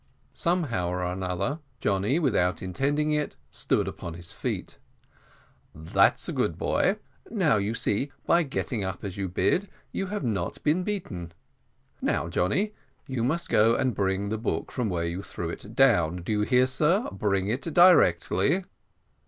Somehow or another, Johnny, without intending it, stood upon his feet. "That's a good boy; now you see, by getting up as you were bid, you have not been beaten. Now, Johnny, you must go and bring the book from where you threw it down. Do you hear, sir? bring it directly!"